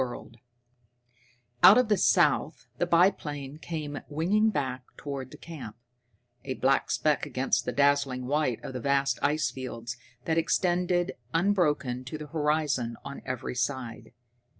] CHAPTER I Dodd's Discovery Out of the south the biplane came winging back toward the camp, a black speck against the dazzling white of the vast ice fields that extended unbroken to the horizon on every side.